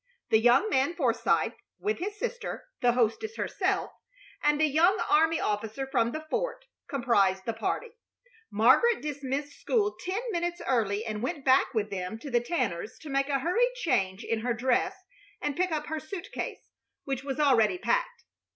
The young man Forsythe, with his sister, the hostess herself, and a young army officer from the fort, comprised the party. Margaret dismissed school ten minutes early and went back with them to the Tanners' to make a hurried change in her dress and pick up her suit case, which was already packed.